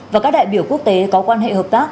và các đại biểu quốc tế có quan hệ hợp tác